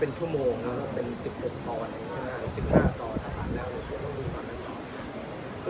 ๑๕ตอนตะตาแนวตรงนู้นมากนะครับ